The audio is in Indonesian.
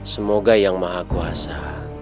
semoga yang maha kuasa